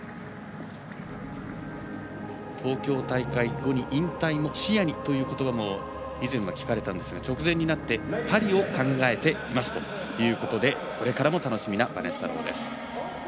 東京大会後に引退も視野にという、ことばも以前は聞かれたんですが直前になってパリを考えていますということでこれからも楽しみなバネッサ・ローです。